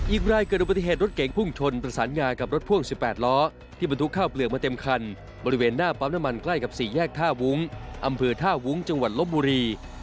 อีกรายเกิดอุบัติเหตุรถเก๋งพุ่งชนประสานงากับรถพ่วง๑๘ล้อที่บรรทุกข้าวเปลือกมาเต็มคันบริเวณหน้าปั๊มน้ำมันใกล้กับ๔แยกท่าวุ้งอำเภอท่าวุ้งจังหวัดลบบุรี